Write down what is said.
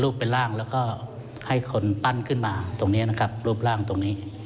เป็นร่างแล้วก็ให้คนปั้นขึ้นมาตรงนี้นะครับรูปร่างตรงนี้